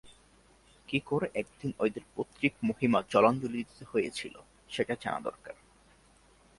কী করে একদিন ওদের পৈতৃক মহিমা জলাঞ্জলি দিতে হয়েছিল সেটা জানা দরকার।